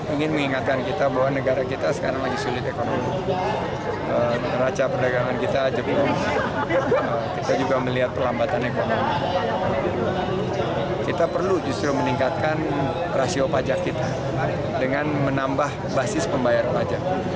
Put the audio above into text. ini memusulkan untuk meningkatkan rasio pajak kita dengan menambah basis pembayaran pajak